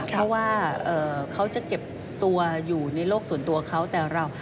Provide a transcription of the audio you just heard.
เพราะว่าเขาจะเก็บตัวอยู่ในโลกส่วนตัวเขาแต่เรา